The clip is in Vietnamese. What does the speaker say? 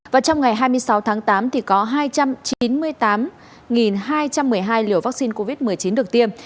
và trong ngày hai mươi sáu tháng tám thì có hai trăm chín mươi tám hai trăm một mươi hai liều vaccine covid một mươi chín được tiêm